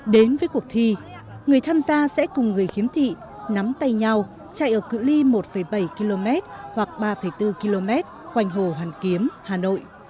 đến với cuộc thi người tham gia sẽ cùng người khiếm thị nắm tay nhau chạy ở cự li một bảy km hoặc ba bốn km quanh hồ hoàn kiếm hà nội